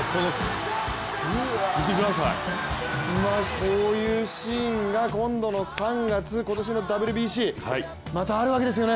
こういうシーンが今度の３月今年のＷＢＣ、またあるわけですよね。